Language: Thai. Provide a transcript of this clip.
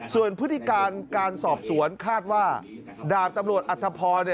ส่วนพฤติการการสอบสวนคาดว่าดาบตำรวจอัธพร